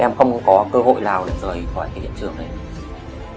em không có cơ hội nào để rời khỏi cái hiện trường này